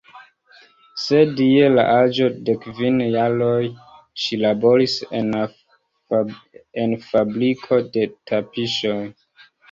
Sed je la aĝo de kvin jaroj, ŝi laboris en fabriko de tapiŝoj.